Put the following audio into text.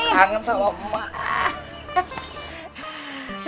kangen sama emak